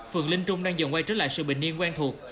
phường linh trung đang dần quay trở lại sự bình niên quen thuộc